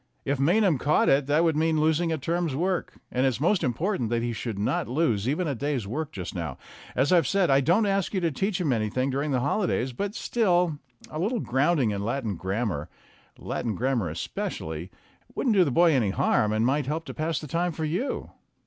If Maynham caught it that would mean losing a term's work and it's most important that he should not lose even a day's work just now. As I said, I don't ask you to teach him anything during the holidays, but still a little grounding in Latin grammar Latin gram mar especially wouldn't do the boy any harm, and might help to pass the time for you."